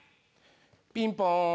ピンポーン。